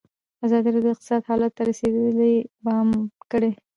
ازادي راډیو د اقتصاد حالت ته رسېدلي پام کړی.